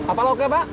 apa loke pak